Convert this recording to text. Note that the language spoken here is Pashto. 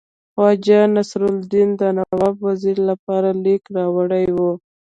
خواجه نصیرالدین د نواب وزیر لپاره لیک راوړی وو.